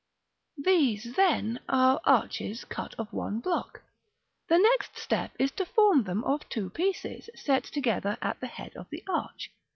§ XII. These then are arches cut of one block. The next step is to form them of two pieces, set together at the head of the arch.